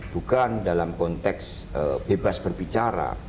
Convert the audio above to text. bukan dalam konteks bebas berbicara